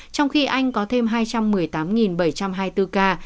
trong khi anh có thêm hai trăm một mươi tám bảy trăm hai mươi bốn ca